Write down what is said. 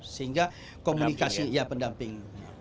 sehingga komunikasi ya pendamping